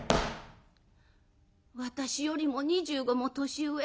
「私よりも２５も年上。